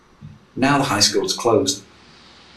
Now the high school has closed.